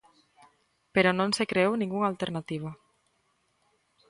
Pero non se creou ningunha alternativa.